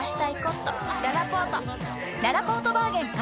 ららぽーとバーゲン開催！